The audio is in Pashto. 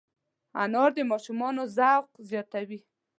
انار د ماشومانو ذوق زیاتوي.